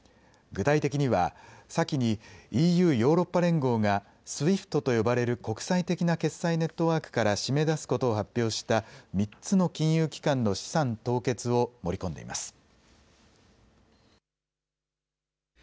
具体的には先にＥＵ・ヨーロッパ連合がＳＷＩＦＴと呼ばれる国際的な決済ネットワークから締め出すことを発表した３つの金融機関の資産凍結を盛り込んでいます。